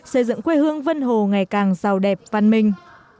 xây dựng quê hương vân hồ ngày càng giàu đẹp văn minh